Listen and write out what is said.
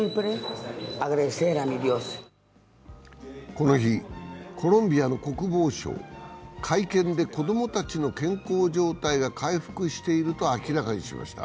この日、コロンビアの国防省は会見で子供たちの健康状態は回復していると明らかにしました。